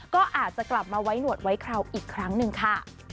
ก็อาจจะกลับมาไว้หนวดไว้คราวอีกครั้งหนึ่งค่ะ